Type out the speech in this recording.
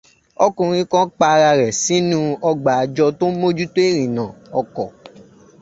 Ọkùnrin kan pa ara rẹ̀ sínú ọgbà àjọ tó n mójútọ ìrìnnà ọkọ̀.